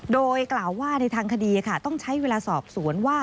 โดยกล่าวว่าในทางคดีค่ะต้องใช้เวลาสอบสวนว่า